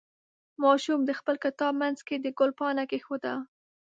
ماشوم د خپل کتاب منځ کې د ګل پاڼه کېښوده.